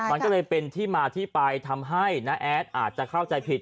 มันก็เลยเป็นที่มาที่ไปทำให้น้าแอดอาจจะเข้าใจผิด